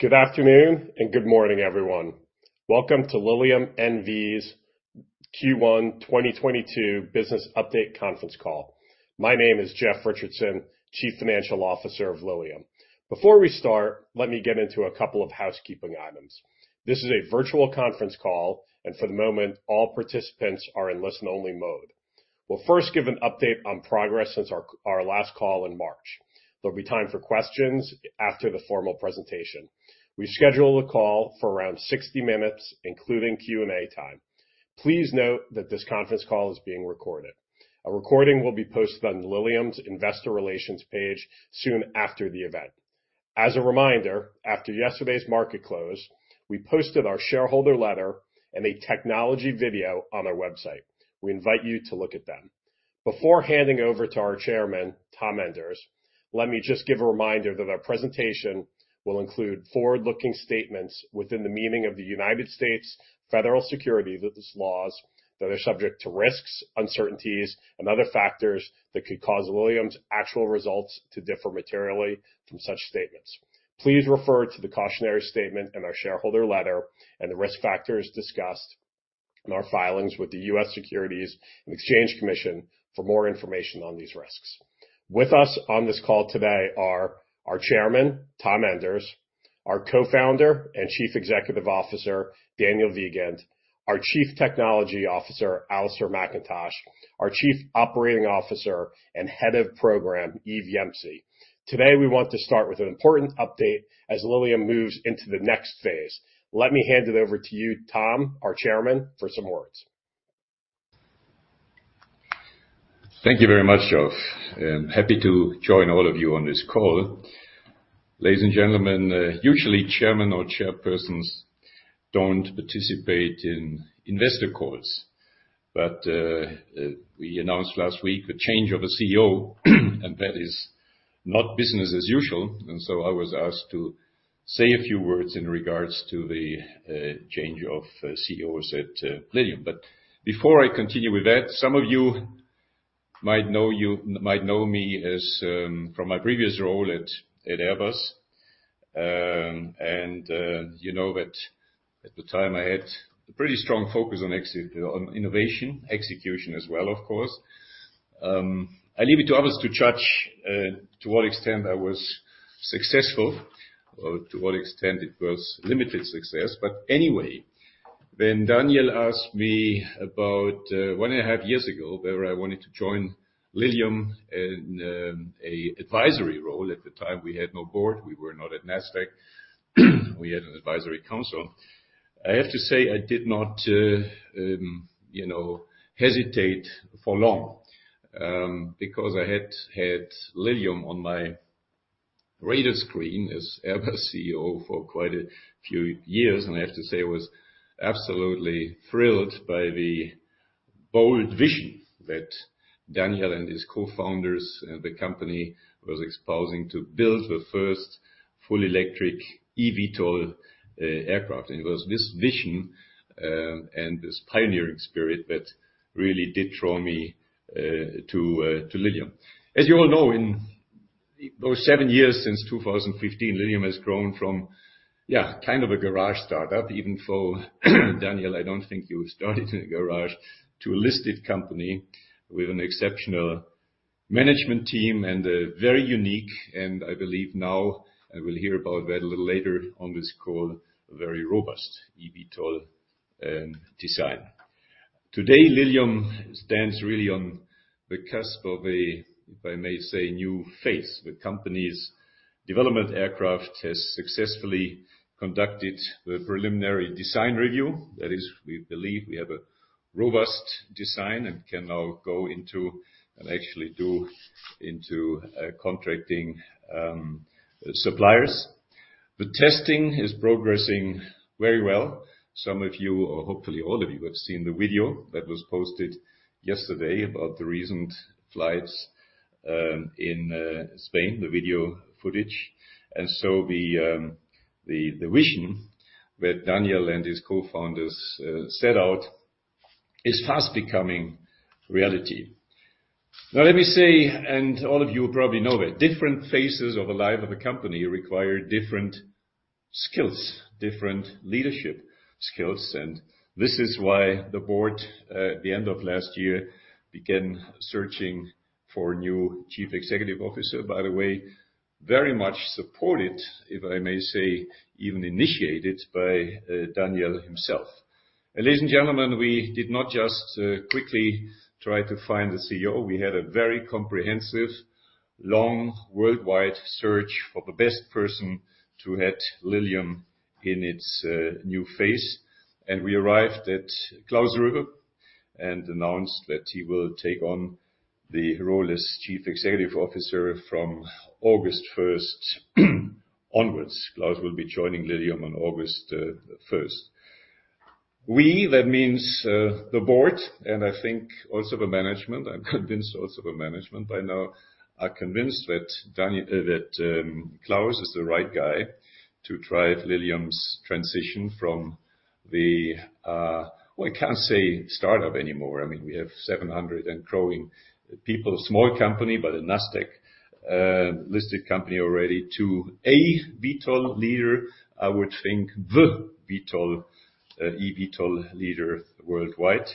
Good afternoon, and good morning, everyone. Welcome to Lilium N.V.'s Q1 2022 business update conference call. My name is Geoffrey Richardson, Chief Financial Officer of Lilium. Before we start, let me get into a couple of housekeeping items. This is a virtual conference call, and for the moment, all participants are in listen-only mode. We'll first give an update on progress since our last call in March. There'll be time for questions after the formal presentation. We schedule the call for around 60 minutes, including Q&A time. Please note that this conference call is being recorded. A recording will be posted on Lilium's Investor Relations page soon after the event. As a reminder, after yesterday's market close, we posted our shareholder letter and a technology video on our website. We invite you to look at them. Before handing over to our Chairman, Tom Enders, let me just give a reminder that our presentation will include forward-looking statements within the meaning of the United States federal securities laws that are subject to risks, uncertainties, and other factors that could cause Lilium's actual results to differ materially from such statements. Please refer to the cautionary statement in our shareholder letter and the risk factors discussed in our filings with the U.S. Securities and Exchange Commission for more information on these risks. With us on this call today are our Chairman, Tom Enders, our Co-Founder and Chief Executive Officer, Daniel Wiegand, our Chief Technology Officer, Alastair McIntosh, our Chief Operating Officer and Head of Program, Yves Yemsi. Today, we want to start with an important update as Lilium moves into the next phase. Let me hand it over to you, Tom, our Chairman, for some words. Thank you very much, Geoff. I'm happy to join all of you on this call. Ladies and gentlemen, usually chairman or chairpersons don't participate in investor calls, but we announced last week a change of a CEO and that is not business as usual. I was asked to say a few words in regards to the change of CEO at Lilium. Before I continue with that, some of you might know me as from my previous role at Airbus. You know that at the time I had a pretty strong focus on exit, on innovation, execution as well, of course. I leave it to others to judge to what extent I was successful or to what extent it was limited success. Anyway, when Daniel asked me about one and a half years ago whether I wanted to join Lilium in a advisory role, at the time, we had no Board, we were not at Nasdaq, we had an advisory council. I have to say I did not you know hesitate for long because I had Lilium on my radar screen as Airbus CEO for quite a few years. I have to say I was absolutely thrilled by the bold vision that Daniel and his co-founders and the company was exposing to build the first full electric eVTOL aircraft. It was this vision and this pioneering spirit that really did draw me to Lilium. As you all know, in those seven years since 2015, Lilium has grown from, yeah, kind of a garage startup, even though Daniel, I don't think you started in a garage, to a listed company with an exceptional management team and a very unique, and I believe now I will hear about that a little later on this call, very robust eVTOL design. Today, Lilium stands really on the cusp of a, if I may say, new phase. The company's development aircraft has successfully conducted the preliminary design review. That is, we believe we have a robust design and can now go into and actually do contracting suppliers. The testing is progressing very well. Some of you, or hopefully all of you, have seen the video that was posted yesterday about the recent flights in Spain, the video footage. The vision that Daniel and his co-founders set out is fast becoming reality. Now let me say, all of you probably know it, different phases of a life of a company require different skills, different leadership skills. This is why the board at the end of last year began searching for a new chief executive officer, by the way, very much supported, if I may say, even initiated by Daniel himself. Ladies and gentlemen, we did not just quickly try to find a CEO. We had a very comprehensive, long, worldwide search for the best person to head Lilium in its new phase. We arrived at Klaus Roewe and announced that he will take on the role as chief executive officer from August first onwards. Klaus Roewe will be joining Lilium on August first. We, that means the Board, and I think also the management, I'm convinced also the management by now, are convinced that Klaus is the right guy to drive Lilium's transition from the, well, I can't say startup anymore. I mean, we have 700 and growing people. Small company, but a Nasdaq-listed company already to a VTOL leader, I would think the VTOL, eVTOL leader worldwide.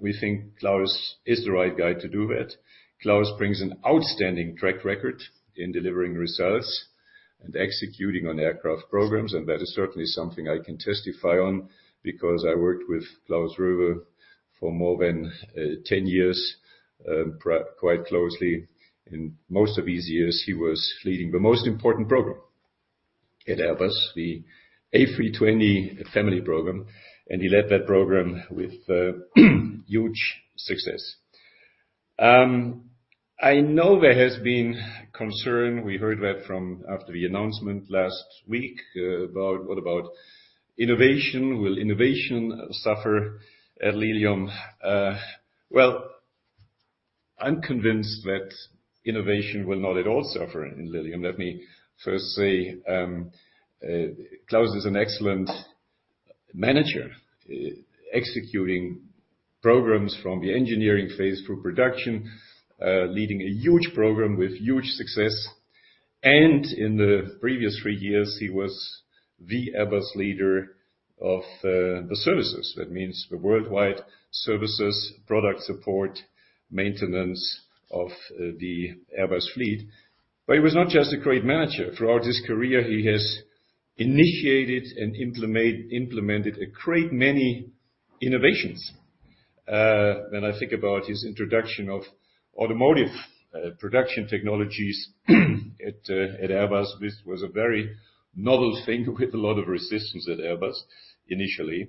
We think Klaus is the right guy to do that. Klaus brings an outstanding track record in delivering results and executing on aircraft programs, and that is certainly something I can testify on because I worked with Klaus Roewe for more than 10 years, quite closely. In most of his years, he was leading the most important program at Airbus, the A320 family program, and he led that program with huge success. I know there has been concern. We heard that from analysts after the announcement last week about innovation. Will innovation suffer at Lilium? Well, I'm convinced that innovation will not at all suffer in Lilium. Let me first say, Klaus Roewe is an excellent manager, executing programs from the engineering phase through production, leading a huge program with huge success. In the previous three years, he was the Airbus leader of the services. That means the worldwide services, product support, maintenance of the Airbus fleet. He was not just a great manager. Throughout his career, he has initiated and implemented a great many innovations. When I think about his introduction of automotive production technologies at Airbus, this was a very novel thing with a lot of resistance at Airbus initially.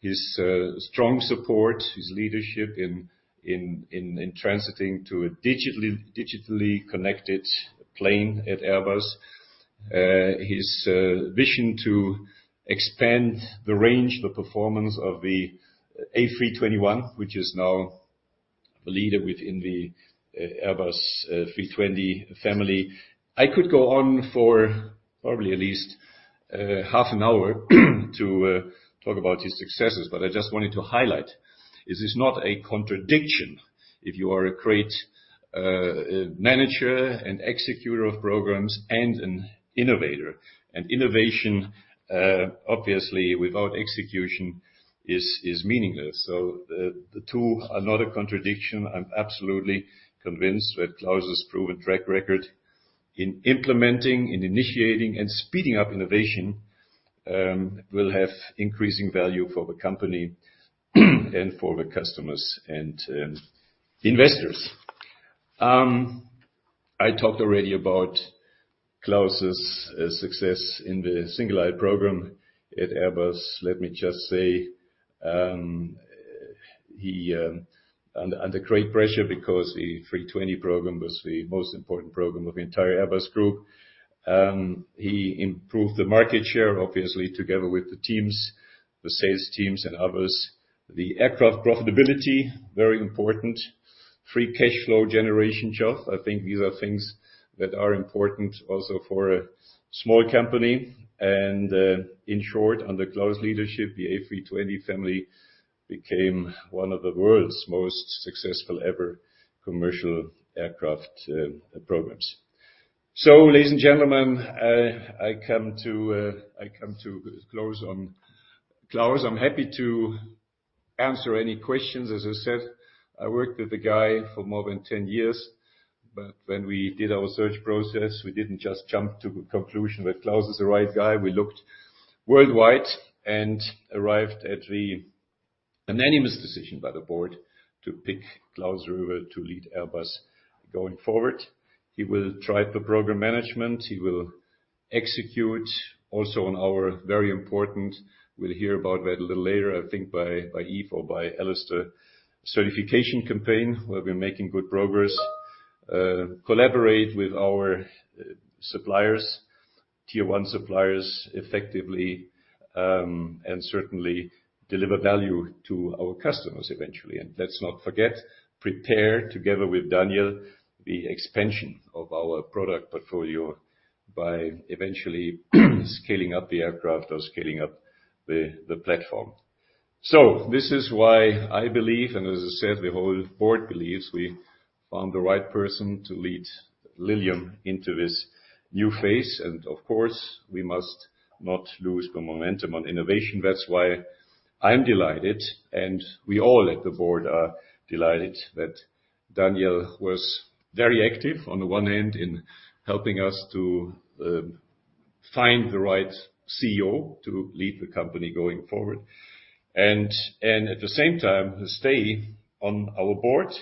His strong support, his leadership in transiting to a digitally connected plane at Airbus. His vision to expand the range, the performance of the A321, which is now the leader within the Airbus 320 family. I could go on for probably at least half an hour to talk about his successes, but I just wanted to highlight this is not a contradiction if you are a great manager and executor of programs and an innovator. Innovation obviously without execution is meaningless. The two are not a contradiction. I'm absolutely convinced that Klaus's proven track record in implementing, in initiating and speeding up innovation, will have increasing value for the company and for the customers and, investors. I talked already about Klaus' success in the single-aisle program at Airbus. Let me just say, he. Under great pressure because the 320 program was the most important program of the entire Airbus group. He improved the market share, obviously, together with the teams, the sales teams and others. The aircraft profitability, very important. Free cash flow generation job. I think these are things that are important also for a small company. In short, under Klaus' leadership, the A320 family became one of the world's most successful ever commercial aircraft, programs. Ladies and gentlemen, Klaus, I'm happy to answer any questions. As I said, I worked with the guy for more than 10 years. When we did our search process, we didn't just jump to the conclusion that Klaus is the right guy. We looked worldwide and arrived at the unanimous decision by the Board to pick Klaus Roewe to lead Lilium going forward. He will drive the program management. He will execute also on our very important certification campaign, we'll hear about that a little later, I think by Yves or by Alastair. We'll be making good progress. Collaborate with our suppliers, tier one suppliers, effectively, and certainly deliver value to our customers eventually. Let's not forget, prepare together with Daniel the expansion of our product portfolio by eventually scaling up the aircraft or scaling up the platform. This is why I believe, and as I said, the whole board believes, we found the right person to lead Lilium into this new phase. Of course, we must not lose the momentum on innovation. That's why I'm delighted, and we all at the board are delighted that Daniel was very active on the one hand in helping us to find the right CEO to lead the company going forward. At the same time, stay on our Board,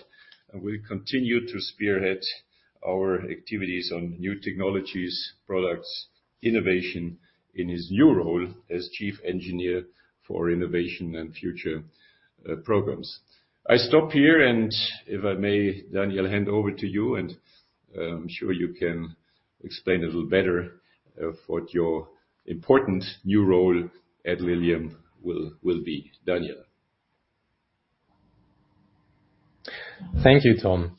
and will continue to spearhead our activities on new technologies, products, innovation in his new role as Chief Engineer for Innovation and Future Programs. I stop here, and if I may, Daniel, hand over to you, and, I'm sure you can explain a little better, what your important new role at Lilium will be. Daniel? Thank you, Tom.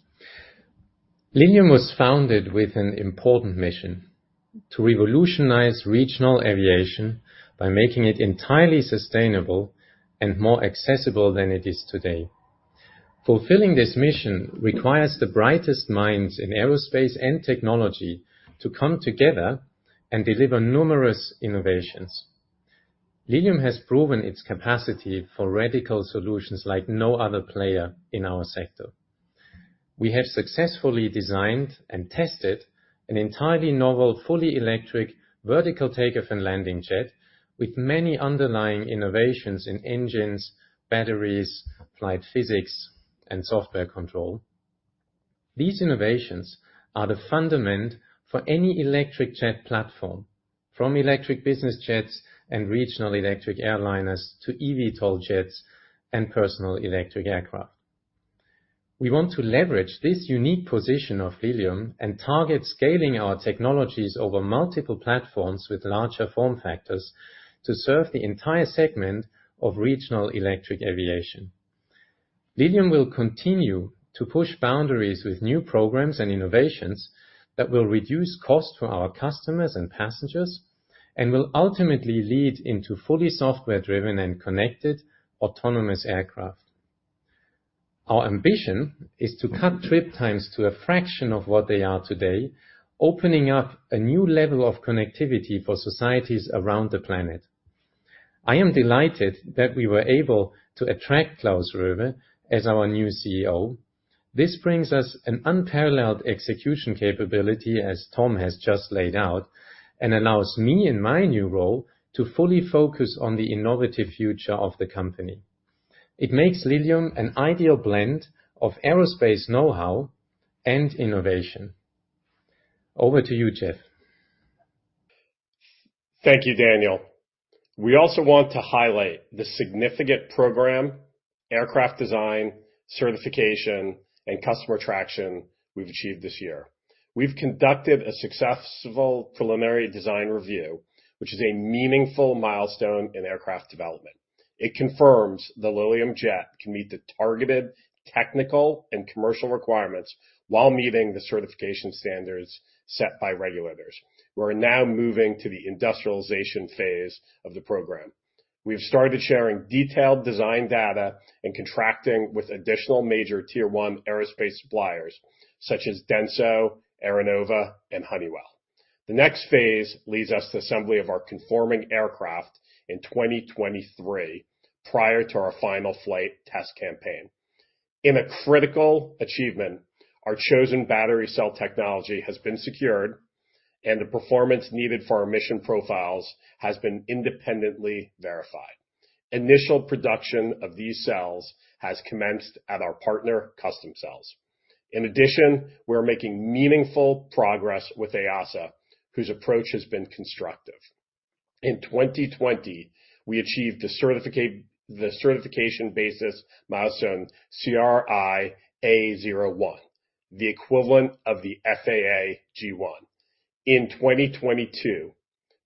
Lilium was founded with an important mission, to revolutionize regional aviation by making it entirely sustainable and more accessible than it is today. Fulfilling this mission requires the brightest minds in aerospace and technology to come together and deliver numerous innovations. Lilium has proven its capacity for radical solutions like no other player in our sector. We have successfully designed and tested an entirely novel, fully electric vertical takeoff and landing jet with many underlying innovations in engines, batteries, flight physics, and software control. These innovations are the foundation for any electric jet platform from electric business jets and regional electric airliners to eVTOL jets and personal electric aircraft. We want to leverage this unique position of Lilium and target scaling our technologies over multiple platforms with larger form factors to serve the entire segment of regional electric aviation. Lilium will continue to push boundaries with new programs and innovations that will reduce costs for our customers and passengers and will ultimately lead into fully software driven and connected autonomous aircraft. Our ambition is to cut trip times to a fraction of what they are today, opening up a new level of connectivity for societies around the planet. I am delighted that we were able to attract Klaus Roewe as our new CEO. This brings us an unparalleled execution capability, as Tom has just laid out and allows me in my new role to fully focus on the innovative future of the company. It makes Lilium an ideal blend of aerospace know-how and innovation. Over to you, Geoff. Thank you, Daniel. We also want to highlight the significant program, aircraft design, certification and customer traction we've achieved this year. We've conducted a successful preliminary design review, which is a meaningful milestone in aircraft development. It confirms the Lilium Jet can meet the targeted technical and commercial requirements while meeting the certification standards set by regulators. We're now moving to the industrialization phase of the program. We've started sharing detailed design data and contracting with additional major tier one aerospace suppliers such as DENSO, Aernnova, and Honeywell. The next phase leads us to assembly of our conforming aircraft in 2023, prior to our final flight test campaign. In a critical achievement, our chosen battery cell technology has been secured and the performance needed for our mission profiles has been independently verified. Initial production of these cells has commenced at our partner CustomCells. In addition, we're making meaningful progress with EASA, whose approach has been constructive. In 2020, we achieved the certificate, the certification basis milestone CRI-A01, the equivalent of the FAA G-1. In 2022,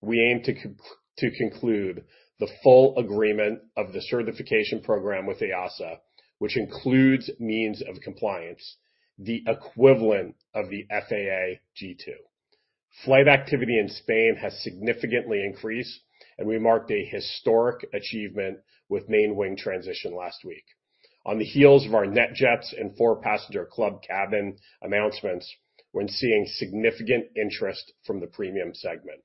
we aim to conclude the full agreement of the certification program with EASA, which includes means of compliance, the equivalent of the FAA G-2. Flight activity in Spain has significantly increased, and we marked a historic achievement with main wing transition last week. On the heels of our NetJets and four-passenger club cabin announcements, we're seeing significant interest from the premium segment.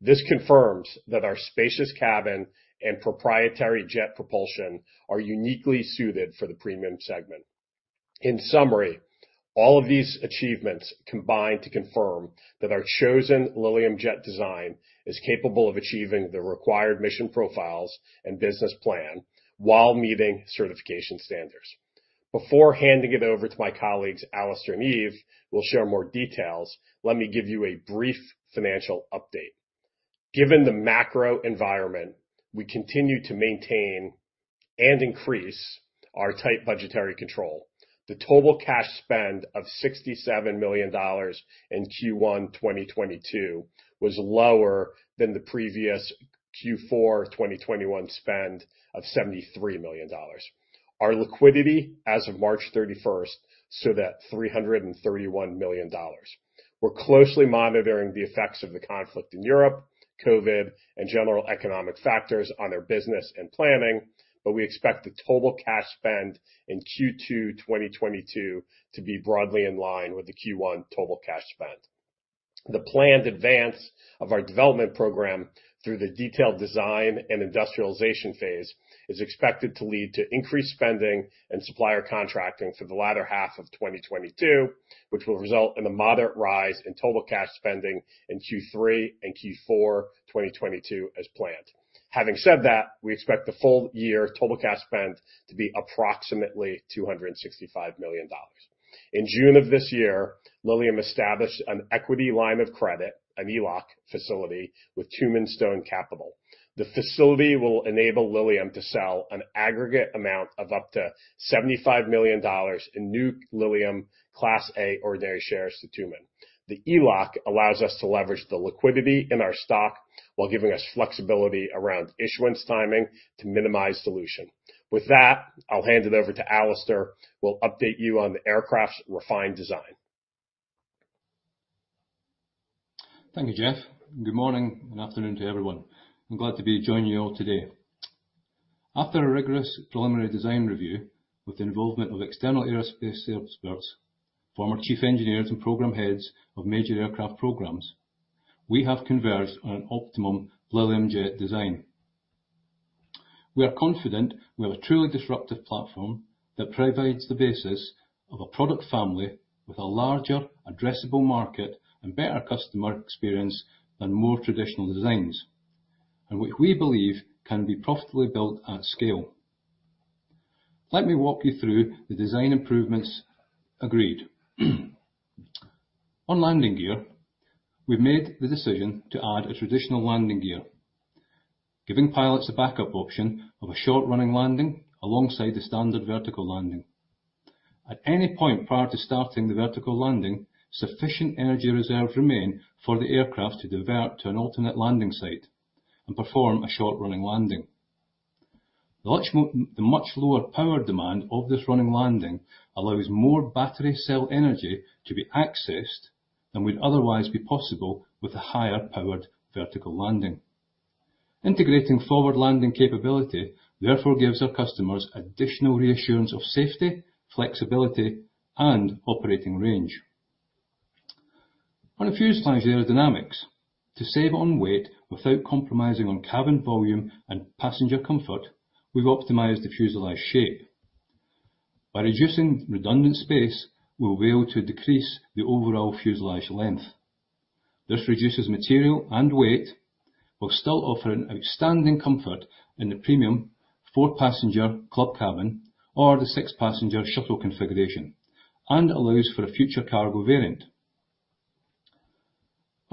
This confirms that our spacious cabin and proprietary jet propulsion are uniquely suited for the premium segment. In summary, all of these achievements combine to confirm that our chosen Lilium Jet design is capable of achieving the required mission profiles and business plan while meeting certification standards. Before handing it over to my colleagues, Alastair and Yves, who will share more details, let me give you a brief financial update. Given the macro environment, we continue to maintain and increase our tight budgetary control. The total cash spend of $67 million in Q1 2022 was lower than the previous Q4 2021 spend of $73 million. Our liquidity as of March 31st stood at $331 million. We're closely monitoring the effects of the conflict in Europe, COVID and general economic factors on our business and planning, but we expect the total cash spend in Q2 2022 to be broadly in line with the Q1 total cash spend. The planned advance of our development program through the detailed design and industrialization phase is expected to lead to increased spending and supplier contracting for the latter half of 2022, which will result in a moderate rise in total cash spending in Q3 and Q4 2022 as planned. Having said that, we expect the full year total cash spend to be approximately $265 million. In June of this year, Lilium established an equity line of credit, an ELOC facility with Tumim Stone Capital. The facility will enable Lilium to sell an aggregate amount of up to $75 million in new Lilium Class A ordinary shares to Tumim. The ELOC allows us to leverage the liquidity in our stock while giving us flexibility around issuance timing to minimize dilution. With that, I'll hand it over to Alastair, who will update you on the aircraft's refined design. Thank you, Geoff. Good morning and afternoon to everyone. I'm glad to be joining you all today. After a rigorous preliminary design review with the involvement of external aerospace experts, former chief engineers and program heads of major aircraft programs, we have converged on an optimum Lilium Jet design. We are confident we have a truly disruptive platform that provides the basis of a product family with a larger addressable market and better customer experience than more traditional designs, and which we believe can be profitably built at scale. Let me walk you through the design improvements agreed. On landing gear, we've made the decision to add a traditional landing gear, giving pilots a backup option of a short-running landing alongside the standard vertical landing. At any point prior to starting the vertical landing, sufficient energy reserves remain for the aircraft to divert to an alternate landing site and perform a short running landing. The much lower power demand of this running landing allows more battery cell energy to be accessed than would otherwise be possible with a higher powered vertical landing. Integrating forward landing capability therefore gives our customers additional reassurance of safety, flexibility, and operating range. On fuselage aerodynamics. To save on weight without compromising on cabin volume and passenger comfort, we've optimized the fuselage shape. By reducing redundant space, we'll be able to decrease the overall fuselage length. This reduces material and weight while still offering outstanding comfort in the premium four-passenger club cabin or the six-passenger shuttle configuration, and allows for a future cargo variant.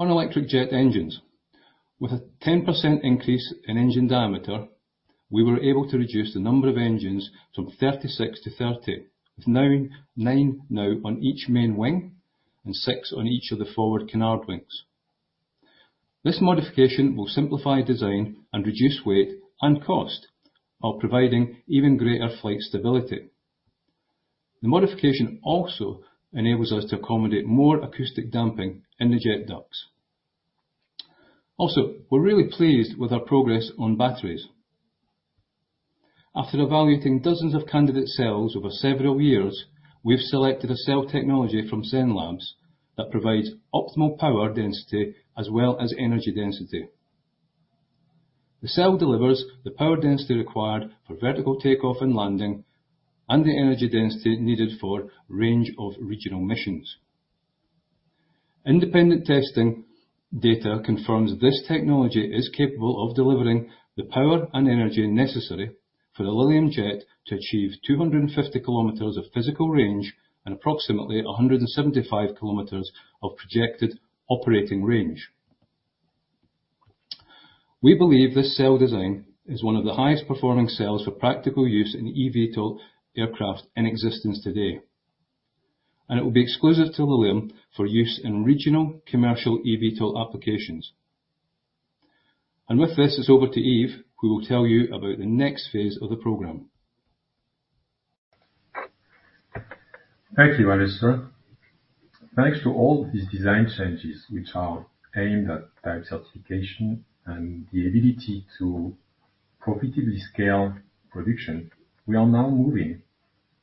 On electric jet engines. With a 10% increase in engine diameter, we were able to reduce the number of engines from 36 to 30, with nine now on each main wing and six on each of the forward canard wings. This modification will simplify design and reduce weight and cost while providing even greater flight stability. The modification also enables us to accommodate more acoustic damping in the jet ducts. Also, we're really pleased with our progress on batteries. After evaluating dozens of candidate cells over several years, we've selected a cell technology from Zenlabs that provides optimal power density as well as energy density. The cell delivers the power density required for vertical takeoff and landing, and the energy density needed for range of regional missions. Independent testing data confirms this technology is capable of delivering the power and energy necessary for the Lilium Jet to achieve 250 km of physical range and approximately 175 km of projected operating range. We believe this cell design is one of the highest performing cells for practical use in eVTOL aircraft in existence today, and it will be exclusive to Lilium for use in regional commercial eVTOL applications. With this, it's over to Yves, who will tell you about the next phase of the program. Thank you, Alastair. Thanks to all these design changes which are aimed at type certification and the ability to profitably scale production, we are now moving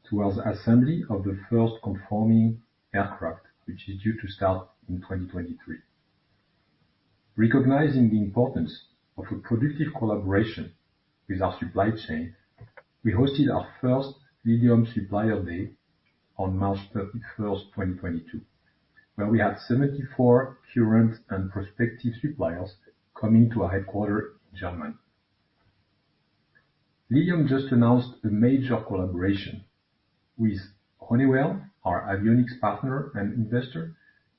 towards assembly of the first conforming aircraft, which is due to start in 2023. Recognizing the importance of a productive collaboration with our supply chain, we hosted our first Lilium Supplier Day on March 31st, 2022, where we had 74 current and prospective suppliers coming to our headquarters in Germany. Lilium just announced a major collaboration with Honeywell, our avionics partner and investor,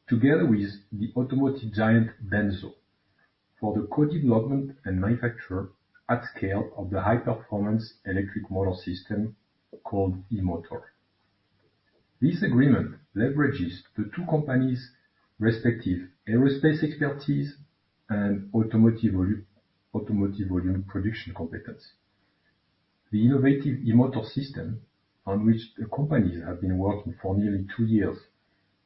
together with the automotive giant DENSO, for the co-development and manufacture at scale of the high-performance electric motor system called e-motor. This agreement leverages the two companies' respective aerospace expertise and automotive volume production competence. The innovative e-motor system, on which the companies have been working for nearly two years,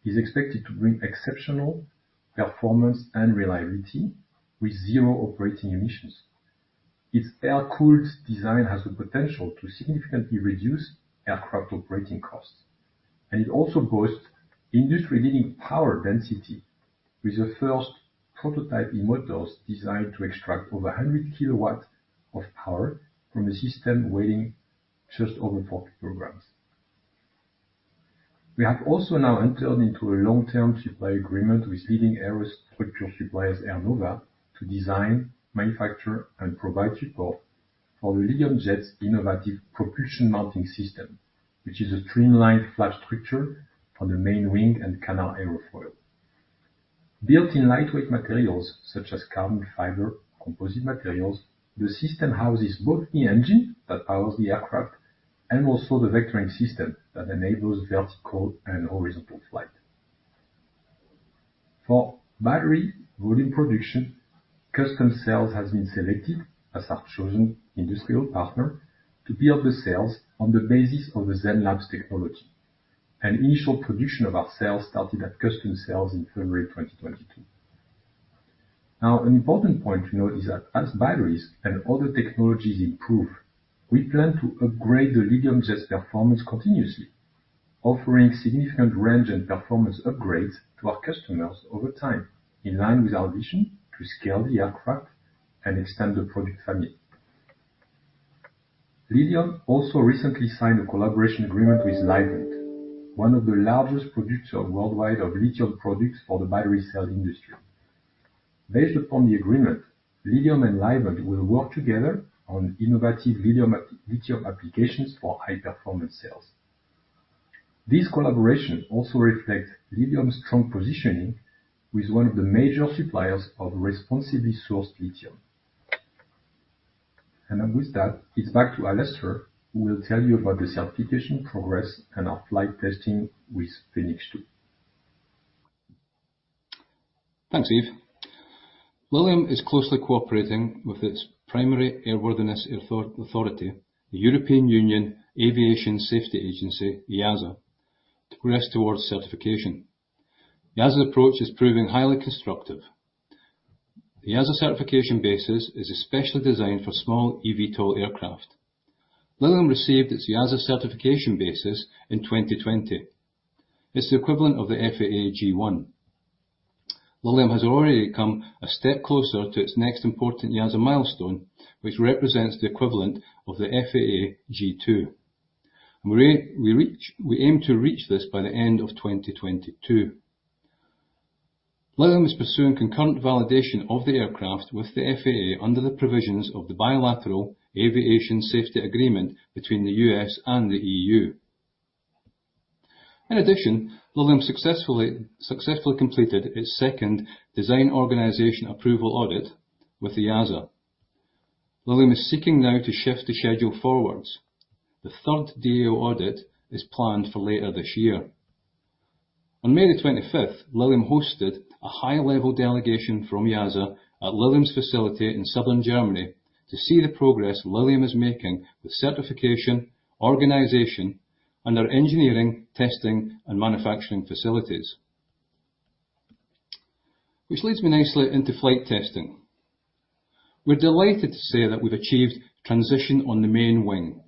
is expected to bring exceptional performance and reliability with zero operating emissions. Its air-cooled design has the potential to significantly reduce aircraft operating costs, and it also boasts industry-leading power density with the first prototype e-motors designed to extract over 100 kW of power from a system weighing just over 40 kg. We have also now entered into a long-term supply agreement with leading aerostructure suppliers, Aernnova, to design, manufacture, and provide support for the Lilium Jet's innovative propulsion mounting system, which is a streamlined flap structure for the main wing and canard airfoil. Built in lightweight materials such as carbon fiber composite materials, the system houses both the engine that powers the aircraft and also the vectoring system that enables vertical and horizontal flight. For battery volume production, CustomCells has been selected as our chosen industrial partner to build the cells on the basis of the Zenlabs technology. Initial production of our cells started at CustomCells in February 2022. Now an important point to note is that as batteries and other technologies improve, we plan to upgrade the Lilium Jet's performance continuously, offering significant range and performance upgrades to our customers over time, in line with our vision to scale the aircraft and extend the product family. Lilium also recently signed a collaboration agreement with Livent, one of the largest producer worldwide of lithium products for the battery cell industry. Based upon the agreement, Lilium and Livent will work together on innovative lithium applications for high-performance cells. This collaboration also reflects Lilium's strong positioning with one of the major suppliers of responsibly sourced lithium. With that, it's back to Alastair, who will tell you about the certification progress and our flight testing with Phoenix 2. Thanks, Yves. Lilium is closely cooperating with its primary airworthiness authority, the European Union Aviation Safety Agency, EASA, to progress towards certification. EASA approach is proving highly constructive. The EASA certification basis is especially designed for small eVTOL aircraft. Lilium received its EASA certification basis in 2020. It's the equivalent of the FAA G-1. Lilium has already come a step closer to its next important EASA milestone, which represents the equivalent of the FAA G-2. We aim to reach this by the end of 2022. Lilium is pursuing concurrent validation of the aircraft with the FAA under the provisions of the Bilateral Aviation Safety Agreement between the U.S. and the EU. In addition, Lilium successfully completed its second Design Organization Approval audit with the EASA. Lilium is seeking now to shift the schedule forward. The third DAO audit is planned for later this year. On May 25th, Lilium hosted a high-level delegation from EASA at Lilium's facility in southern Germany to see the progress Lilium is making with certification, organization, and our engineering, testing, and manufacturing facilities. Which leads me nicely into flight testing. We're delighted to say that we've achieved transition on the main wing.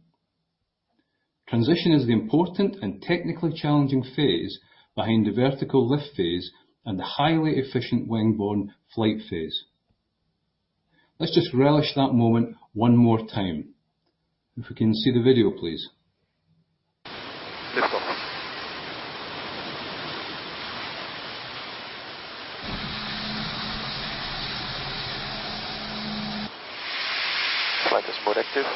Transition is the important and technically challenging phase behind the vertical lift phase and the highly efficient wing-borne flight phase. Let's just relish that moment one more time. If we can see the video, please. Lift off. Flight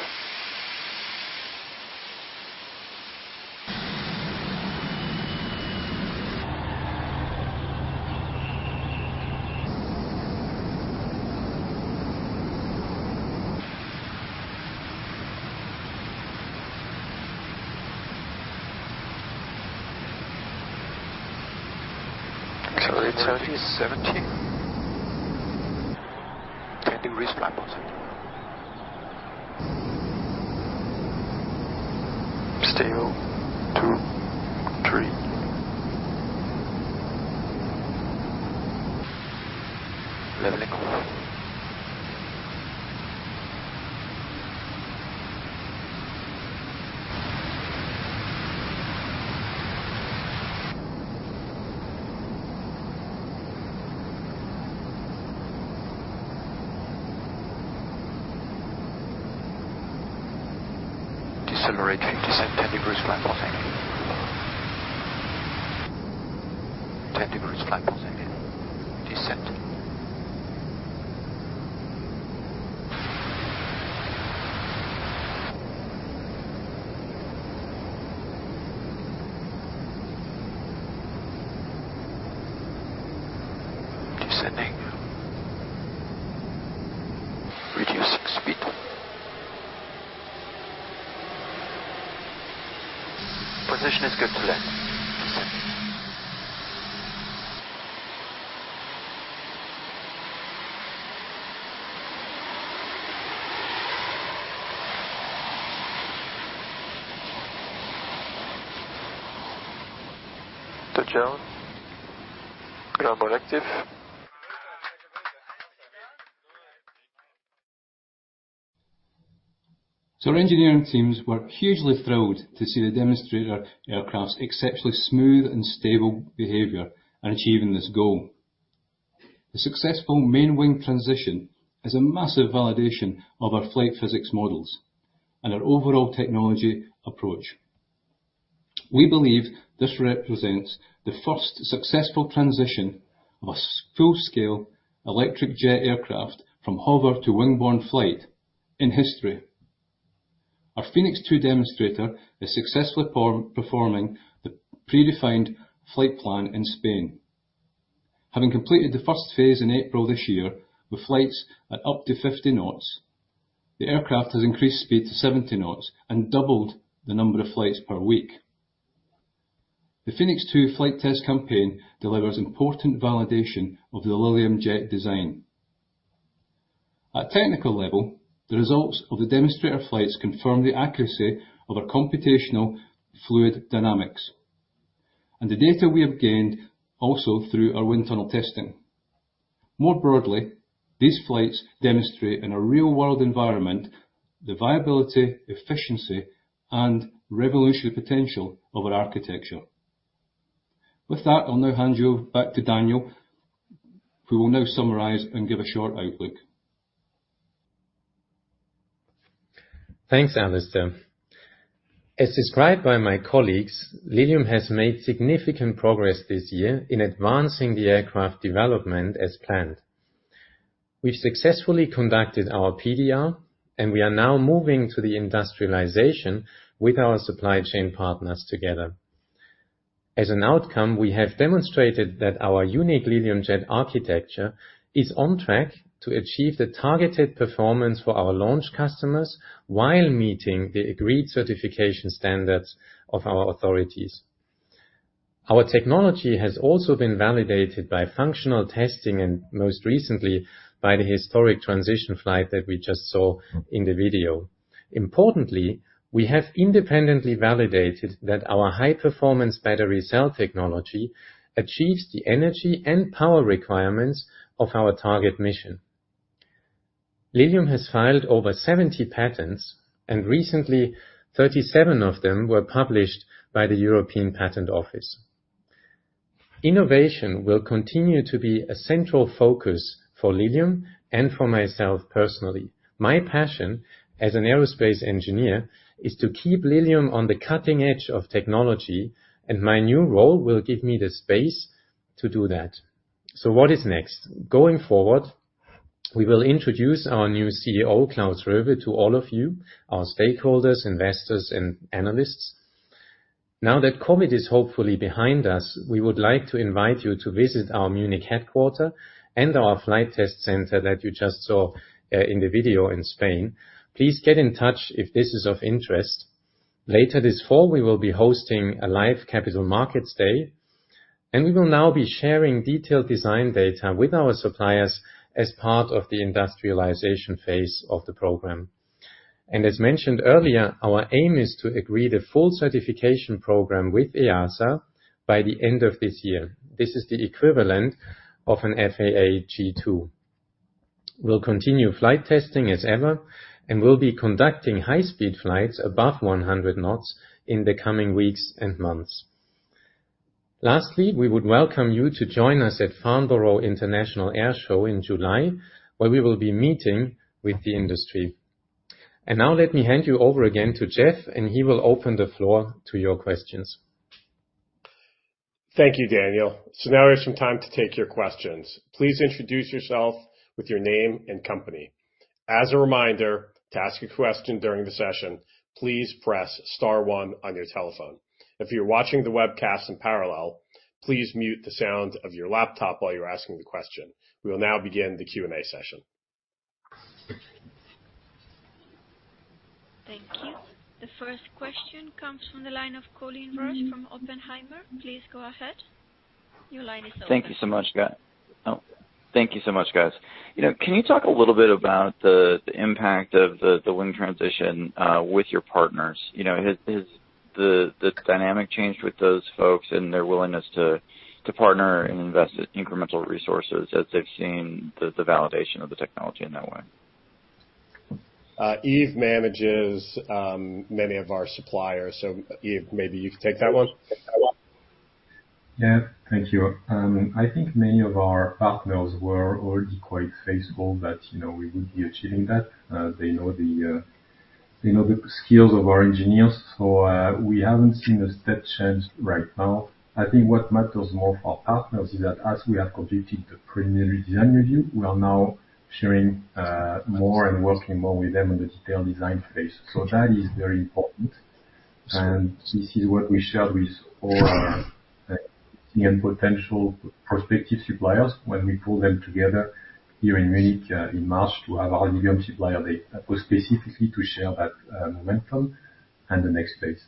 is proactive. Clarity 30 70. 10 degrees flight positive. Stay on two, three. Leveling off. Decelerating. Descend 10 degrees flight positive. 10 degrees flight positive. Descend. Descending. Reducing speed. Position is good to land. Touchdown. Ground more active. Our engineering teams were hugely thrilled to see the demonstrator aircraft's exceptionally smooth and stable behavior in achieving this goal. The successful main wing transition is a massive validation of our flight physics models and our overall technology approach. We believe this represents the first successful transition of a full-scale electric jet aircraft from hover to wing-borne flight in history. Our Phoenix 2 demonstrator is successfully performing the predefined flight plan in Spain. Having completed the first phase in April this year, with flights at up to 50 knots, the aircraft has increased speed to 70 knots and doubled the number of flights per week. The Phoenix 2 flight test campaign delivers important validation of the Lilium Jet design. At technical level, the results of the demonstrator flights confirm the accuracy of our computational fluid dynamics and the data we have gained also through our wind tunnel testing. More broadly, these flights demonstrate in a real-world environment the viability, efficiency, and revolutionary potential of our architecture. With that, I'll now hand you back to Daniel, who will now summarize and give a short outlook. Thanks, Alastair. As described by my colleagues, Lilium has made significant progress this year in advancing the aircraft development as planned. We've successfully conducted our PDR, and we are now moving to the industrialization with our supply chain partners together. As an outcome, we have demonstrated that our unique Lilium Jet architecture is on track to achieve the targeted performance for our launch customers while meeting the agreed certification standards of our authorities. Our technology has also been validated by functional testing and most recently by the historic transition flight that we just saw in the video. Importantly, we have independently validated that our high-performance battery cell technology achieves the energy and power requirements of our target mission. Lilium has filed over 70 patents, and recently 37 of them were published by the European Patent Office. Innovation will continue to be a central focus for Lilium and for myself personally. My passion as an aerospace engineer is to keep Lilium on the cutting edge of technology, and my new role will give me the space to do that. What is next? Going forward, we will introduce our new CEO, Klaus Roewe, to all of you, our stakeholders, investors, and analysts. Now that COVID is hopefully behind us, we would like to invite you to visit our Munich headquarters and our flight test center that you just saw in the video in Spain. Please get in touch if this is of interest. Later this fall, we will be hosting a live Capital Markets Day, and we will now be sharing detailed design data with our suppliers as part of the industrialization phase of the program. As mentioned earlier, our aim is to agree the full certification program with EASA by the end of this year. This is the equivalent of an FAA G-2. We'll continue flight testing as ever, and we'll be conducting high speed flights above 100 knots in the coming weeks and months. Lastly, we would welcome you to join us at Farnborough International Airshow in July, where we will be meeting with the industry. Now let me hand you over again to Geoff, and he will open the floor to your questions. Thank you, Daniel. Now we have some time to take your questions. Please introduce yourself with your name and company. As a reminder, to ask a question during the session, please press star one on your telephone. If you're watching the webcast in parallel, please mute the sound of your laptop while you're asking the question. We will now begin the Q&A session. Thank you. The first question comes from the line of Colin Rusch from Oppenheimer. Please go ahead. Your line is open. Thank you so much, guys. You know, can you talk a little bit about the impact of the wing transition with your partners? You know, has the dynamic changed with those folks and their willingness to partner and invest in incremental resources as they've seen the validation of the technology in that way? Yves manages many of our suppliers. Yves, maybe you could take that one. Yeah. Thank you. I think many of our partners were already quite faithful that, you know, we would be achieving that. They know the skills of our engineers. We haven't seen a step change right now. I think what matters more for our partners is that as we have completed the preliminary design review, we are now sharing more and working more with them in the detailed design phase. That is very important. This is what we shared with all current and potential prospective suppliers when we pulled them together here in Munich in March to have our Lilium Supplier Day, specifically to share that momentum and the next phase.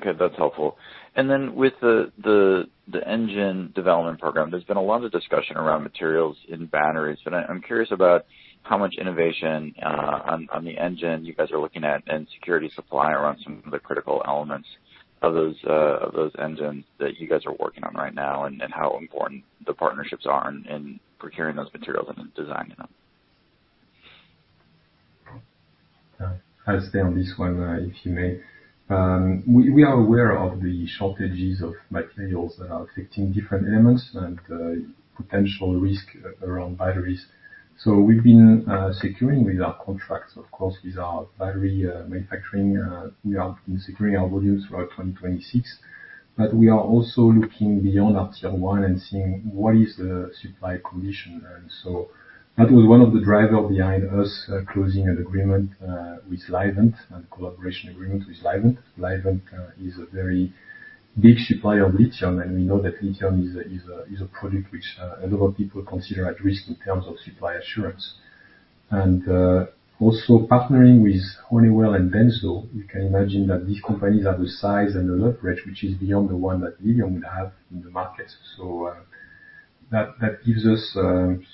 Okay, that's helpful. With the engine development program, there's been a lot of discussion around materials in batteries. I'm curious about how much innovation on the engine you guys are looking at and security of supply around some of the critical elements of those engines that you guys are working on right now and how important the partnerships are in procuring those materials and in designing them. Yeah. I'll stay on this one, if I may. We are aware of the shortages of materials that are affecting different elements and potential risk around batteries. We've been securing with our contracts, of course, with our battery manufacturing. We have been securing our volumes throughout 2026, but we are also looking beyond our tier one and seeing what is the supply condition. That was one of the drivers behind us closing an agreement with Livent and a collaboration agreement with Livent. Livent is a very big supplier of lithium, and we know that lithium is a product which a lot of people consider at risk in terms of supply assurance. Also partnering with Honeywell and DENSO, you can imagine that these companies have a size and a leverage which is beyond the one that Lilium would have in the market. That gives us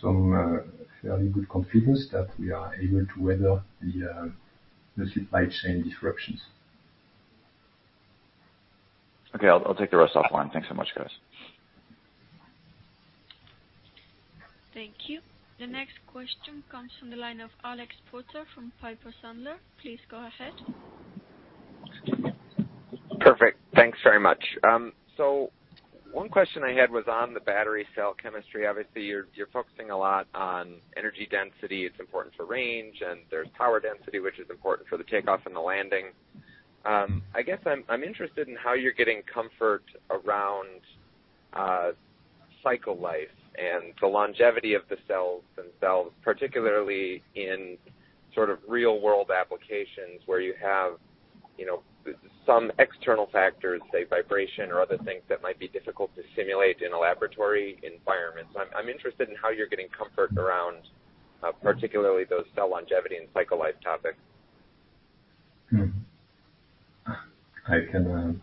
some fairly good confidence that we are able to weather the supply chain disruptions. Okay. I'll take the rest offline. Thanks so much, guys. Thank you. The next question comes from the line of Alex Potter from Piper Sandler. Please go ahead. Perfect. Thanks very much. One question I had was on the battery cell chemistry. Obviously, you're focusing a lot on energy density. It's important for range, and there's power density, which is important for the takeoff and the landing. I guess I'm interested in how you're getting comfort around cycle life and the longevity of the cells themselves, particularly in sort of real-world applications where you have, you know, some external factors, say, vibration or other things that might be difficult to simulate in a laboratory environment. I'm interested in how you're getting comfort around particularly those cell longevity and cycle life topics. I can.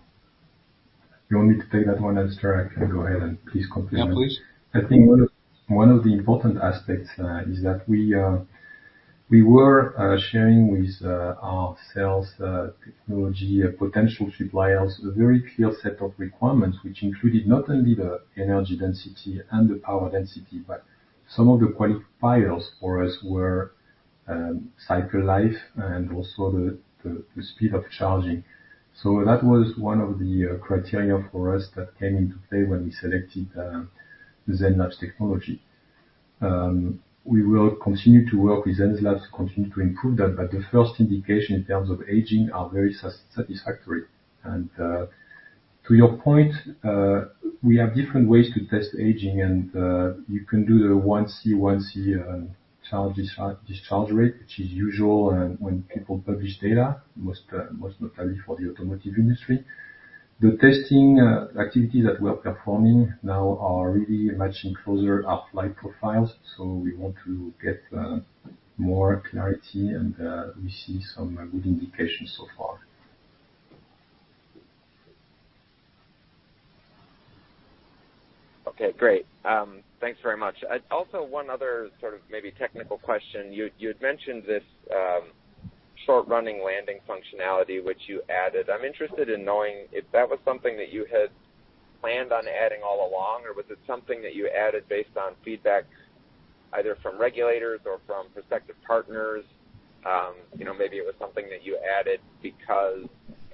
You want me to take that one, Aster? I can go ahead and please complete that. Yeah, please. I think one of the important aspects is that we were sharing with our potential suppliers a very clear set of requirements, which included not only the energy density and the power density, but some of the qualifiers for us were cycle life and also the speed of charging. That was one of the criteria for us that came into play when we selected the Zenlabs technology. We will continue to work with Zenlabs, continue to improve that, but the first indication in terms of aging are very satisfactory. To your point, we have different ways to test aging, and you can do the 1C charge-discharge rate, which is usual and when people publish data, most notably for the automotive industry. The testing activity that we are performing now are really matching closer our flight profiles, so we want to get more clarity, and we see some good indications so far. Okay, great. Thanks very much. Also one other sort of maybe technical question. You'd mentioned this short running landing functionality which you added. I'm interested in knowing if that was something that you had planned on adding all along, or was it something that you added based on feedback either from regulators or from prospective partners? You know, maybe it was something that you added because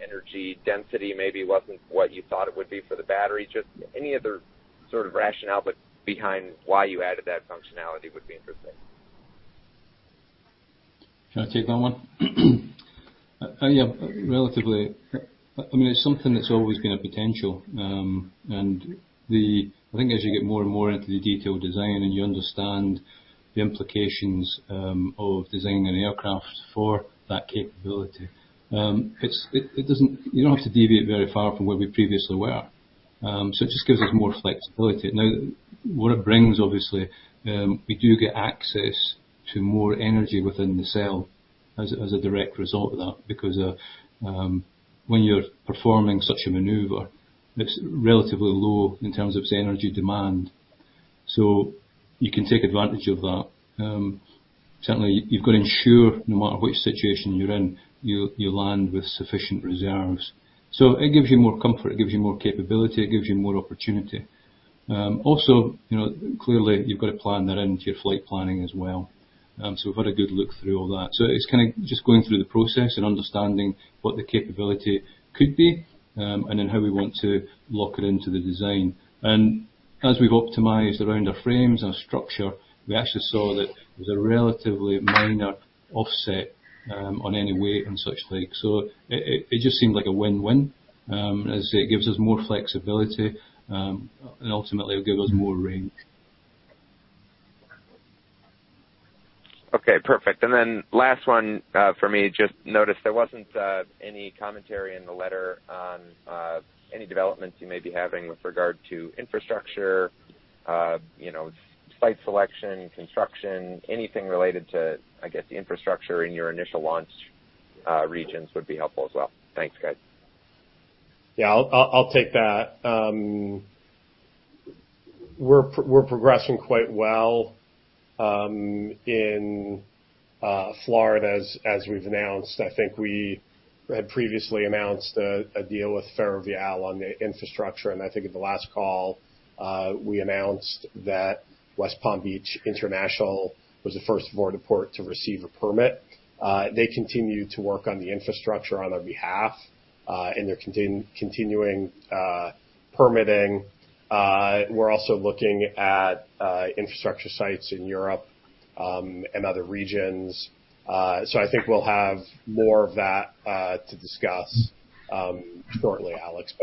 energy density maybe wasn't what you thought it would be for the battery. Just any other sort of rationale behind why you added that functionality would be interesting. Can I take that one? Yeah, relatively, I mean, it's something that's always been a potential. I think as you get more and more into the detailed design and you understand the implications of designing an aircraft for that capability, it doesn't. You don't have to deviate very far from where we previously were. So it just gives us more flexibility. Now, what it brings, obviously, we do get access to more energy within the cell as a direct result of that, because when you're performing such a maneuver, it's relatively low in terms of its energy demand. So you can take advantage of that. Certainly you've got to ensure no matter which situation you're in, you land with sufficient reserves. It gives you more comfort, it gives you more capability, it gives you more opportunity. Also, you know, clearly you've got to plan that into your flight planning as well. We've had a good look through all that. It's kinda just going through the process and understanding what the capability could be, and then how we want to lock it into the design. As we've optimized around our frames, our structure, we actually saw that there's a relatively minor offset, on any weight and such like. It just seemed like a win-win, as it gives us more flexibility, and ultimately it gives us more range. Okay, perfect. Last one, for me, just noticed there wasn't any commentary in the letter on any developments you may be having with regard to infrastructure, you know, site selection, construction, anything related to, I guess, the infrastructure in your initial launch regions would be helpful as well. Thanks, guys. Yeah, I'll take that. We're progressing quite well in Florida as we've announced. I think we had previously announced a deal with Ferrovial on the infrastructure, and I think at the last call, we announced that West Palm Beach International was the first vertiport to receive a permit. They continue to work on the infrastructure on our behalf, and they're continuing permitting. We're also looking at infrastructure sites in Europe and other regions. I think we'll have more of that to discuss shortly, Alex.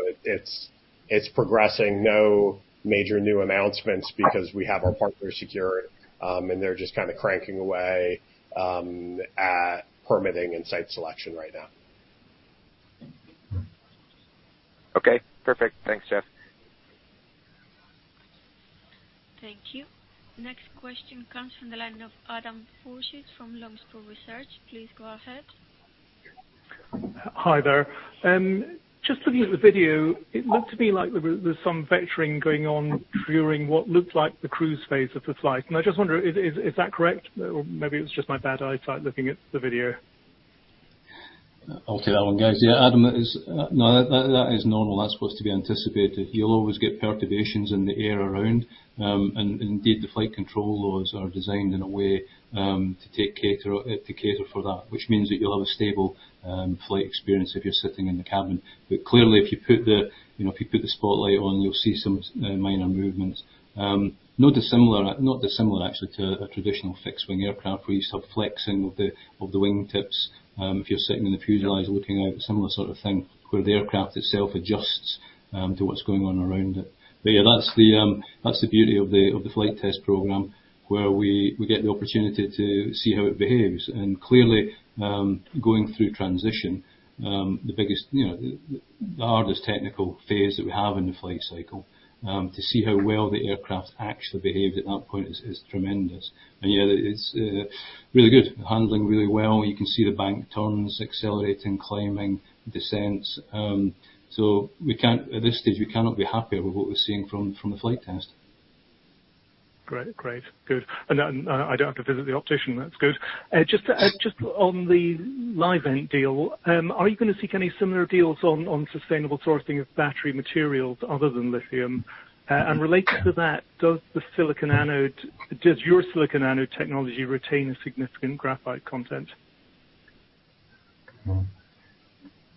It's progressing. No major new announcements because we have our partners secured, and they're just kinda cranking away at permitting and site selection right now. Okay, perfect. Thanks, Geoff. Thank you. Next question comes from the line of Adam Forsyth from Longspur Research. Please go ahead. Hi there. Just looking at the video, it looked to me like there's some vectoring going on during what looked like the cruise phase of the flight. I just wonder, is that correct? Or maybe it was just my bad eyesight looking at the video. I'll take that one, guys. Yeah, Adam, that is normal. That's supposed to be anticipated. You'll always get perturbations in the air around, and indeed, the flight control laws are designed in a way to cater for that, which means that you'll have a stable flight experience if you're sitting in the cabin. Clearly, if you put the, you know, if you put the spotlight on, you'll see some minor movements. Not dissimilar actually to a traditional fixed wing aircraft, where you have flexing of the wing tips if you're sitting in the fuselage looking out, similar sort of thing, where the aircraft itself adjusts to what's going on around it. Yeah, that's the beauty of the flight test program, where we get the opportunity to see how it behaves. Clearly, going through transition, the biggest, you know, the hardest technical phase that we have in the flight cycle, to see how well the aircraft actually behaves at that point is tremendous. Yeah, it's really good. Handling really well. You can see the bank turns, accelerating, climbing, descents. At this stage, we cannot be happier with what we're seeing from the flight test. Great. Good. Then I don't have to visit the optician. That's good. Just on the Livent deal, are you gonna seek any similar deals on sustainable sourcing of battery materials other than lithium? Related to that, does your silicon anode technology retain a significant graphite content?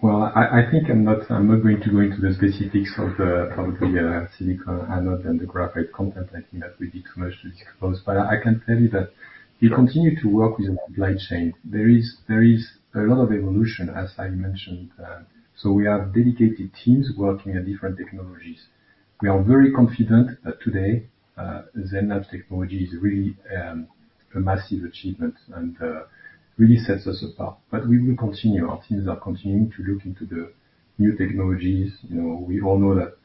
I think I'm not going to go into the specifics of the, probably the silicon anode and the graphite content. I think that would be too much to disclose. I can tell you that we continue to work with the supply chain. There is a lot of evolution, as I mentioned. We have dedicated teams working on different technologies. We are very confident that today, Zenlabs' technology is really a massive achievement and really sets us apart. We will continue. Our teams are continuing to look into the new technologies. You know, we all know that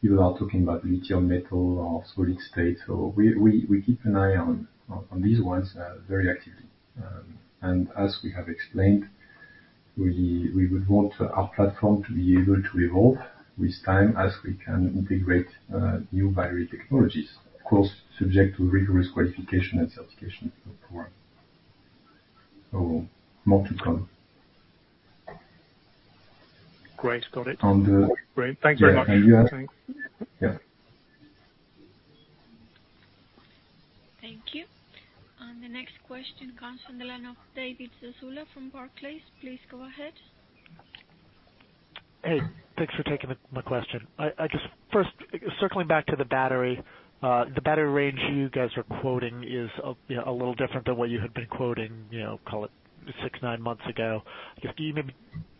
people are talking about lithium metal or solid state. We keep an eye on these ones very actively. As we have explained, we would want our platform to be able to evolve with time as we can integrate new battery technologies, of course, subject to rigorous qualification and certification of the program. So multiple. Great. Got it. On the- Great. Thank you very much. Yeah. Thank you. The next question comes from the line of David Zazula from Barclays. Please go ahead. Hey, thanks for taking my question. I guess first circling back to the battery, the battery range you guys are quoting is, you know, a little different than what you had been quoting, you know, call it six, nine months ago. I guess can you maybe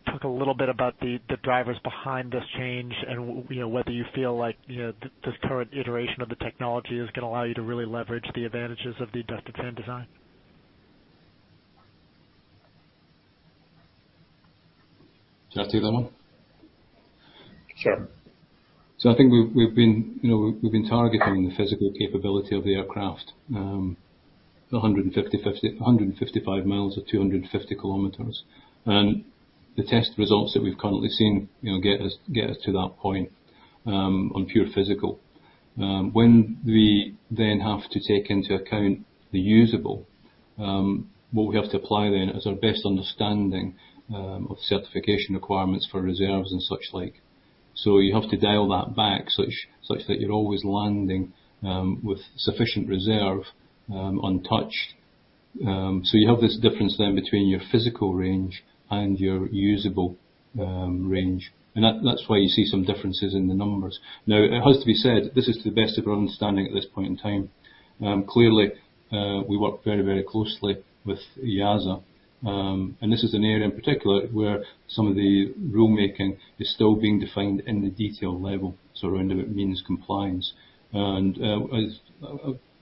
talk a little bit about the drivers behind this change and, you know, whether you feel like, you know, this current iteration of the technology is gonna allow you to really leverage the advantages of the ducted fan design? Should I take that one? Sure. I think we've been targeting the physical capability of the aircraft, you know, 155 mi or 250 km. The test results that we've currently seen, you know, get us to that point on pure physical. When we then have to take into account the usable, what we have to apply then is our best understanding of certification requirements for reserves and such like. You have to dial that back such that you're always landing with sufficient reserve, untouched. You have this difference then between your physical range and your usable range. That's why you see some differences in the numbers. Now, it has to be said, this is to the best of our understanding at this point in time. Clearly, we work very closely with EASA, and this is an area in particular where some of the rule making is still being defined in the detail level, so around if it means compliance. I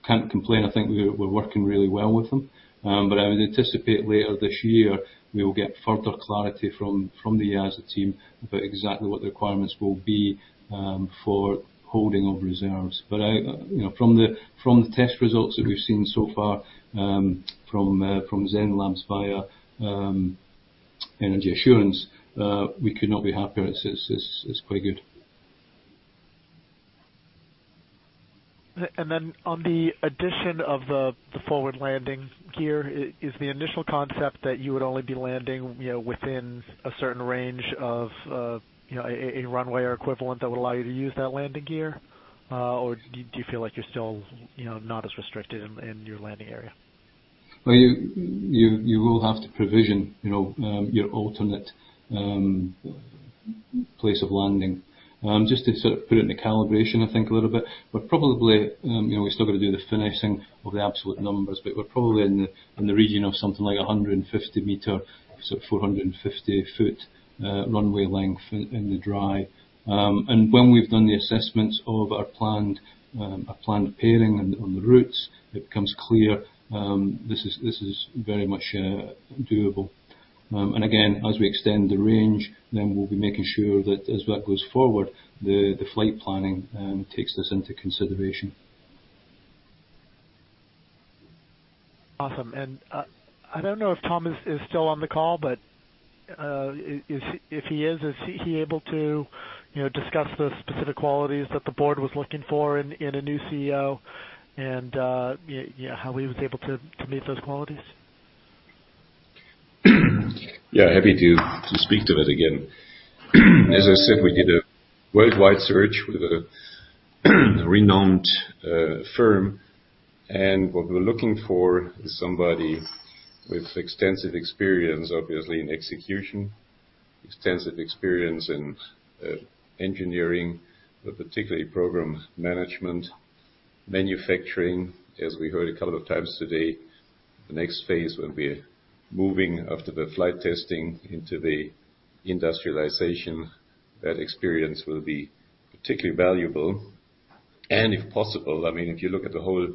can't complain, I think we're working really well with them. I would anticipate later this year we will get further clarity from the EASA team about exactly what the requirements will be for holding of reserves. You know, from the test results that we've seen so far, from Zenlabs via Energy Assurance, we could not be happier. It's quite good. On the addition of the forward landing gear, is the initial concept that you would only be landing, you know, within a certain range of, you know, a runway or equivalent that would allow you to use that landing gear? Or do you feel like you're still, you know, not as restricted in your landing area? Well, you will have to provision, you know, your alternate place of landing. Just to sort of put it in the calibration, I think, a little bit, but probably, you know, we still got to do the finessing of the absolute numbers, but we're probably in the region of something like 150 meter, so 450 foot runway length in the dry. Again, as we extend the range, then we'll be making sure that as that goes forward, the flight planning takes this into consideration. Awesome. I don't know if Tom is still on the call, but if he is he able to, you know, discuss the specific qualities that the board was looking for in a new CEO and, you know, how he was able to meet those qualities? Yeah, happy to speak to it again. As I said, we did a worldwide search with a renowned firm, and what we're looking for is somebody with extensive experience, obviously, in execution, extensive experience in engineering, but particularly program management, manufacturing. As we heard a couple of times today, the next phase will be moving after the flight testing into the industrialization. That experience will be particularly valuable. If possible, I mean, if you look at the whole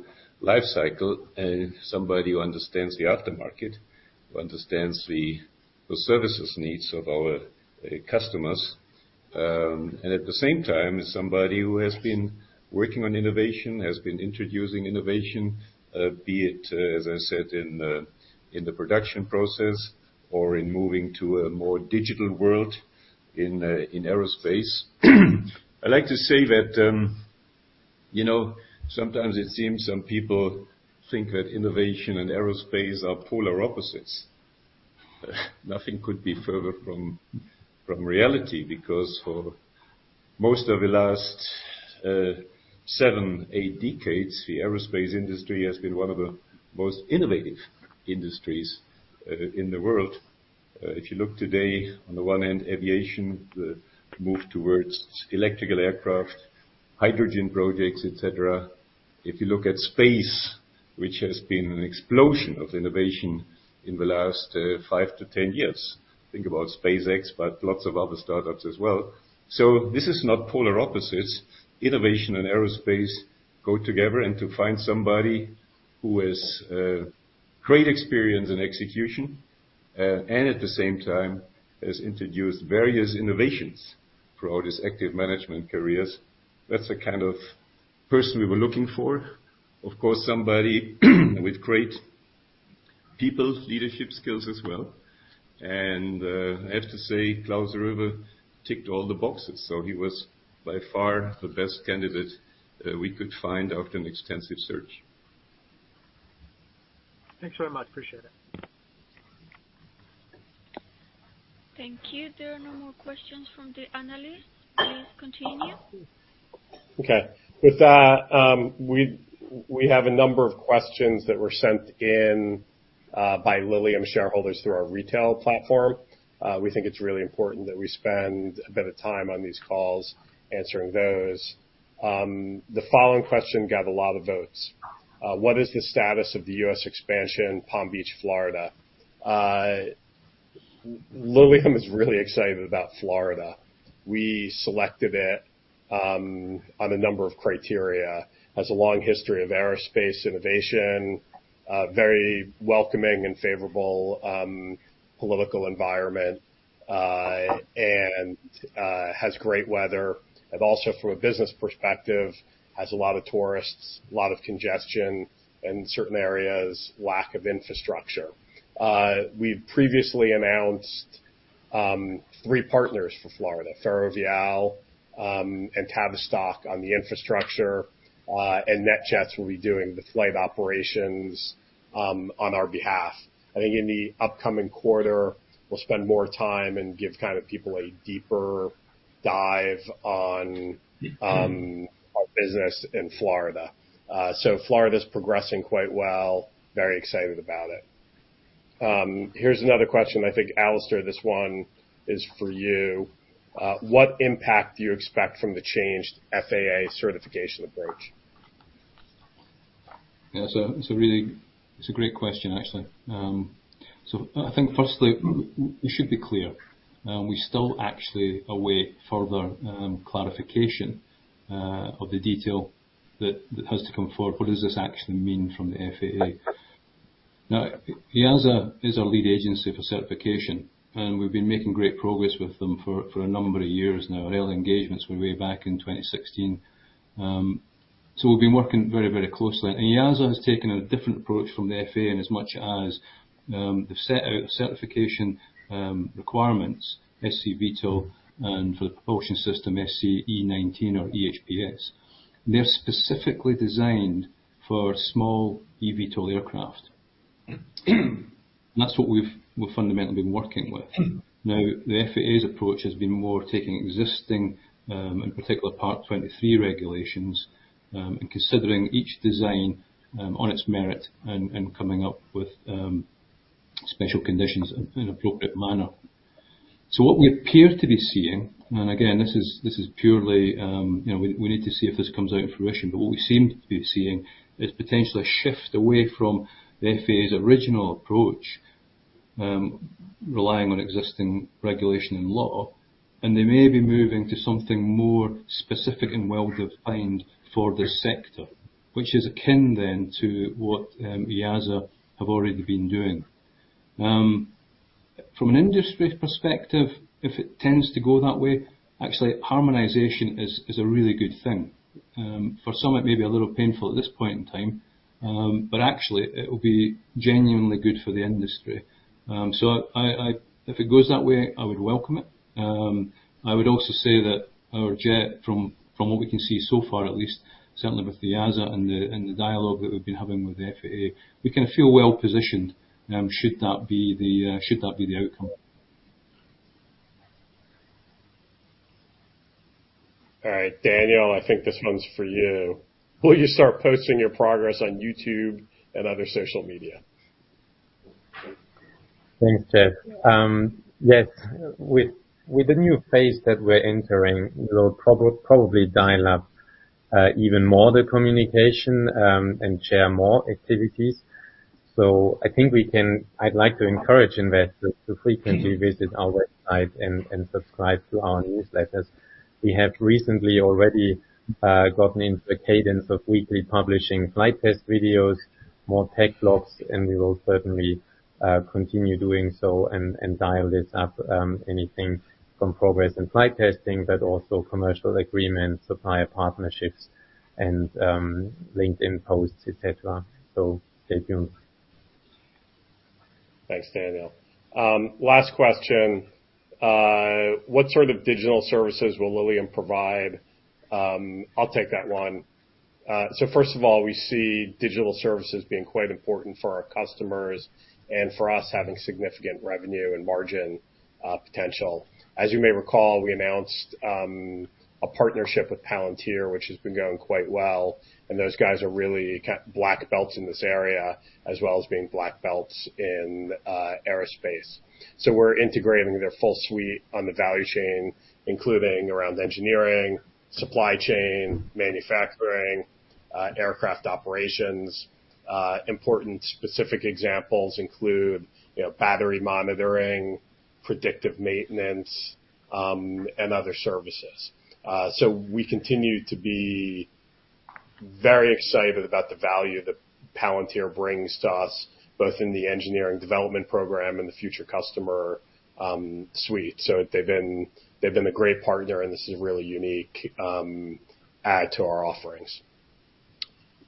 life cycle and somebody who understands the aftermarket, who understands the services needs of our customers, and at the same time, is somebody who has been working on innovation, has been introducing innovation, be it, as I said, in the production process or in moving to a more digital world in aerospace. I'd like to say that, you know, sometimes it seems some people think that innovation and aerospace are polar opposites. Nothing could be further from reality, because for most of the last seven, eight decades, the aerospace industry has been one of the most innovative industries in the world. If you look today, on the one end, aviation, the move towards electrical aircraft, hydrogen projects, et cetera. If you look at space, which has been an explosion of innovation in the last five to 10 years, think about SpaceX, but lots of other startups as well. This is not polar opposites. Innovation and aerospace go together, and to find somebody who has great experience in execution and at the same time has introduced various innovations throughout his active management careers, that's the kind of person we were looking for. Of course, somebody with great people's leadership skills as well. I have to say, Klaus Roewe ticked all the boxes, so he was by far the best candidate, we could find after an extensive search. Thanks very much. Appreciate it. Thank you. There are no more questions from the analysts. Please continue. Okay. With that, we have a number of questions that were sent in by Lilium shareholders through our retail platform. We think it's really important that we spend a bit of time on these calls answering those. The following question got a lot of votes. What is the status of the U.S. expansion, Palm Beach, Florida? Lilium is really excited about Florida. We selected it on a number of criteria. Has a long history of aerospace innovation, a very welcoming and favorable political environment, and has great weather. From a business perspective, has a lot of tourists, a lot of congestion in certain areas, lack of infrastructure. We've previously announced three partners for Florida, Ferrovial and Tavistock on the infrastructure, and NetJets will be doing the flight operations on our behalf. I think in the upcoming quarter, we'll spend more time and give kind of people a deeper dive on our business in Florida. Florida is progressing quite well. Very excited about it. Here's another question. I think, Alastair, this one is for you. What impact do you expect from the changed FAA certification approach? It's a great question, actually. So I think firstly, we should be clear. We still actually await further clarification of the detail that has to come forward. What does this actually mean from the FAA? Now, EASA is our lead agency for certification, and we've been making great progress with them for a number of years now. Early engagements were way back in 2016. So we've been working very closely. EASA has taken a different approach from the FAA in as much as they've set out certification requirements, SC-VTOL, and for the propulsion system, SC E-19 or EHPS. They're specifically designed for small eVTOL aircraft. That's what we've fundamentally been working with. Now, the FAA's approach has been more taking existing, in particular Part 23 regulations, and considering each design, on its merit and coming up with, special conditions in appropriate manner. What we appear to be seeing, and again, this is purely, you know, we need to see if this comes out in fruition, but what we seem to be seeing is potentially a shift away from the FAA's original approach, relying on existing regulation and law, and they may be moving to something more specific and well-defined for this sector, which is akin then to what EASA have already been doing. From an industry perspective, if it tends to go that way, actually harmonization is a really good thing. For some it may be a little painful at this point in time, but actually it'll be genuinely good for the industry. If it goes that way, I would welcome it. I would also say that our jet from what we can see so far, at least certainly with the EASA and the dialogue that we've been having with the FAA, we can feel well positioned, should that be the outcome. All right, Daniel, I think this one's for you. Will you start posting your progress on YouTube and other social media? Thanks, Jeff. Yes, with the new phase that we're entering, we'll probably dial up even more the communication and share more activities. I think I'd like to encourage investors to frequently visit our website and subscribe to our newsletters. We have recently already gotten into the cadence of weekly publishing flight test videos, more tech blogs, and we will certainly continue doing so and dial this up, anything from progress and flight testing, but also commercial agreements, supplier partnerships and LinkedIn posts, et cetera. Stay tuned. Thanks, Daniel. Last question. What sort of digital services will Lilium provide? I'll take that one. First of all, we see digital services being quite important for our customers and for us having significant revenue and margin potential. As you may recall, we announced a partnership with Palantir, which has been going quite well, and those guys are really black belts in this area, as well as being black belts in aerospace. We're integrating their full suite on the value chain, including around engineering, supply chain, manufacturing, aircraft operations. Important specific examples include, you know, battery monitoring, predictive maintenance, and other services. We continue to be very excited about the value that Palantir brings to us, both in the engineering development program and the future customer suite. They've been a great partner, and this is a really unique add to our offerings.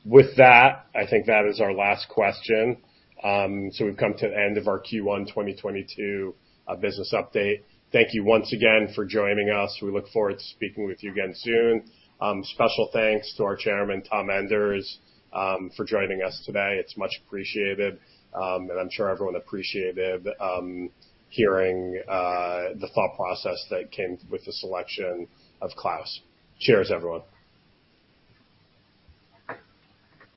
With that, I think that is our last question. We've come to the end of our Q1 2022 business update. Thank you once again for joining us. We look forward to speaking with you again soon. Special thanks to our Chairman, Tom Enders, for joining us today. It's much appreciated. I'm sure everyone appreciated hearing the thought process that came with the selection of Klaus. Cheers, everyone.